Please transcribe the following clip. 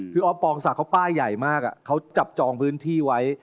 คือออฟปองศักดิ์ป้ายใหญ่มากเขาจับจองพื้นที่ไว้